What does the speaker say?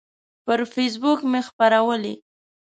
پر فیسبوک مې خپرولی